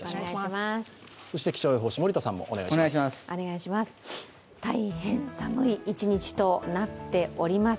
そして気象予報士森田さんもお願いします。